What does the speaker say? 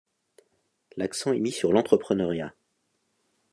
L'accent est mis sur l'entrepreneuriat.